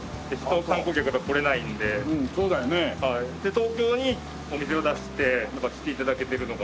東京にお店を出して来て頂けてるのが嬉しい。